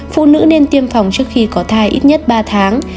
phụ nữ nên tiêm phòng trước khi có thai ít nhất ba tháng